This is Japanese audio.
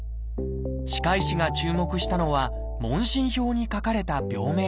歯科医師が注目したのは問診票に書かれた病名でした。